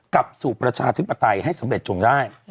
กลับสู่ประชาธิปไตยให้สำเร็จจงได้